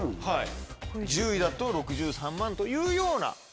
はい１０位だと６３万円というような。